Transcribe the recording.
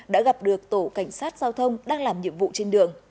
đã gặp được tổ cảnh sát giao thông đang làm nhiệm vụ trên đường